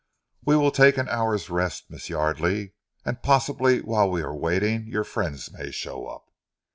"We will take an hour's rest, Miss Yardely; and possibly whilst we are waiting your friends may show up."